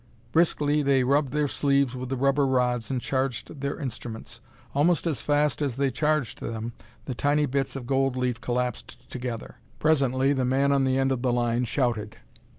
Briskly they rubbed their sleeves with the rubber rods and charged their instruments. Almost as fast as they charged them, the tiny bits of gold leaf collapsed together. Presently the man on the end of the line shouted.